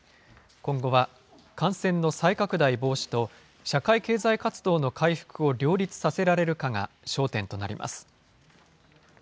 今後は感染の再拡大防止と、社会経済活動の回復を両立させられるかが焦点となります。